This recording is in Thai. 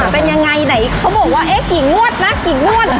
เป็นยังไงไหนเขาบอกว่าเอ๊ะกี่งวดนะกี่งวด